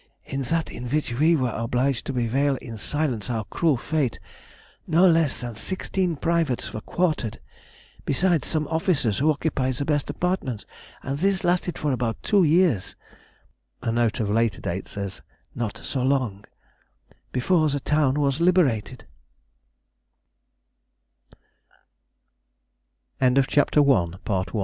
In that in which we were obliged to bewail in silence our cruel fate, no less than 16 privates were quartered, besides some officers who occupied the best apartments, and this lasted for about two years [a note of later date says "not so long"] before the town w